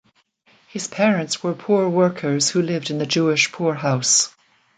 His parents were poor workers who lived in the Jewish poorhouse.